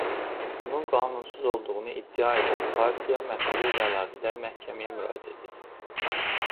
Bunun qanunsuz olduğunu iddia edən partiya məsələ ilə əlaqədar məhkəməyə müraciət edib.